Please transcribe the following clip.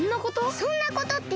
「そんなこと」ってなによ！